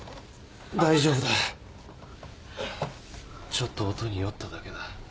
ちょっと音に酔っただけだ。